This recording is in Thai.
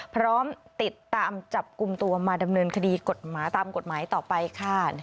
พร้อมติดตามจับกลุ่มตัวมาดำเนินคดีกฎหมายตามกฎหมายต่อไปค่ะ